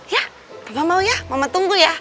ya bapak mau ya mama tunggu ya